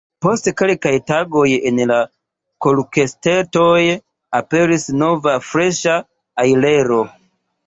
Post kelkaj tagoj en la kolkestetoj aperis nova freŝa ajlero.